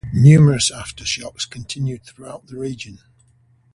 Numerous aftershocks continued throughout the region.